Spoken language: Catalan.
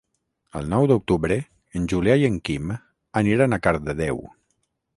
El nou d'octubre en Julià i en Quim aniran a Cardedeu.